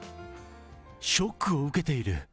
ショックを受けている。